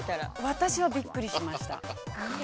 ◆私はびっくりしました。